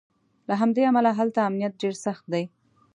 له همدې امله هلته امنیت ډېر سخت دی.